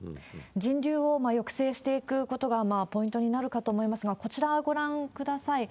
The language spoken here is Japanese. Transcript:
人流を抑制していくことがポイントになるかと思いますが、こちらご覧ください。